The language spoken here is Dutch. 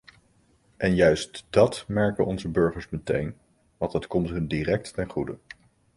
En juist dat merken onze burgers meteen, want het komt hun direct ten goede.